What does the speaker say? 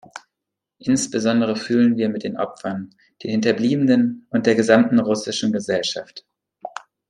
Insbesondere fühlen wir mit den Opfern, den Hinterbliebenen und der gesamten russischen Gesellschaft.